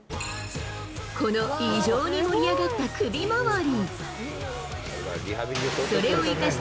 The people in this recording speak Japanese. この異常に盛り上がった首周り。